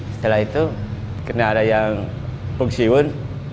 setelah itu karena ada yang fungsiun